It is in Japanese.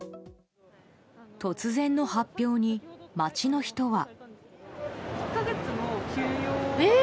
突然の発表に街の人は。